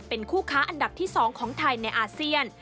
เป็นคู่ค้าอันดับที่๒ของไทยในอาเซียน